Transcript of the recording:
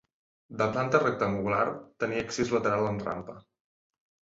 De planta rectangular, tenia accés lateral en rampa.